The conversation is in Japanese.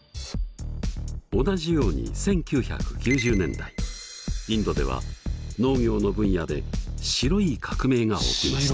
同じように１９９０年代インドでは農業の分野で「白い革命」が起きました。